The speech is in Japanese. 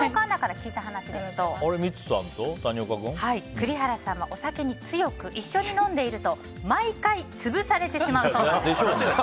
栗原さんはお酒に強く一緒に飲んでいると毎回、潰されてしまうそうです。でしょうね。